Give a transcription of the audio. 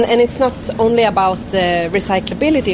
dan ini bukan hanya tentang recyclability